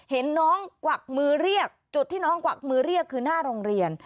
เห็นน้องกวักมือเรียกจุดที่น้องกวักมือเรียกคือหน้าโรงเรียน